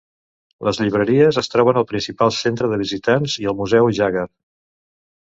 Les llibreries es troben al principal centre de visitants i al museu Jaggar.